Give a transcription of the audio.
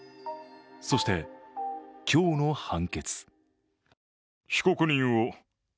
そして、今日の判決。